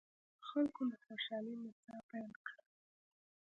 خلکو له خوشالۍ نڅا پیل کړه.